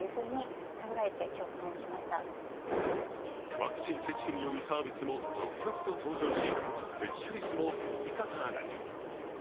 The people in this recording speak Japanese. ワクチン接種によるサービスも続々と登場し接種率も右肩上がり。